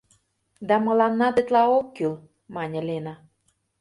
— Да мыланна тетла ок кӱл, — мане Лена.